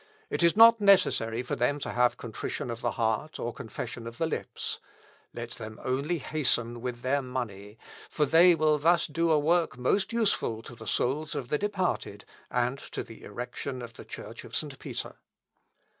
It is not necessary for them to have contrition of the heart or confession of the lips. Let them only hasten with their money; for they will thus do a work most useful to the souls of the departed, and to the erection of the Church of St. Peter."